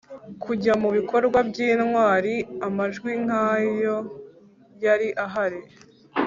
kujya mubikorwa by'intwari; amajwi nk'ayo yari ahari